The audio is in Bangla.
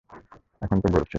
এখন তো বলেছ।